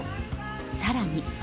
さらに。